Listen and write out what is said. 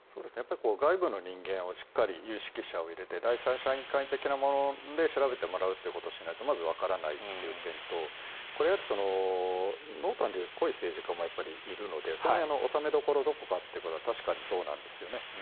外部の人間をしっかり有識者を入れて第三者委員会的なもので調べてもらわないとまずわからないという点とこれはいわゆる濃淡で言うと濃い政治家もやっぱりいるのでその辺、収めどころがどこかというところは確かにそうなんですね。